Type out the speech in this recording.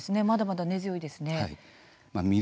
まだまだ根強いですね。